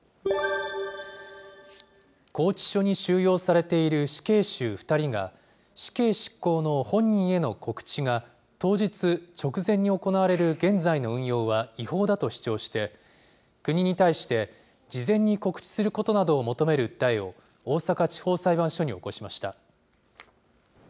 拘置所に収容されている死刑囚２人が、死刑執行の本人への告知が当日直前に行われる現在の運用は違法だと主張して、国に対して、事前に告知することなどを求める訴えを大阪地方裁判所に起こしました。